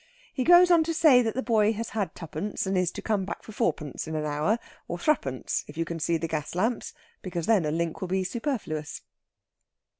He goes on to say that the boy has had twopence and is to come back for fourpence in an hour, or threepence if you can see the gas lamps, because then a link will be superfluous.